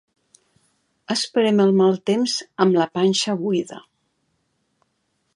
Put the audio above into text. Esperem el mal temps amb la panxa buida.